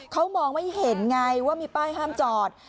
เขามองไม่เห็นไงว่ามีป้ายห้ามจอด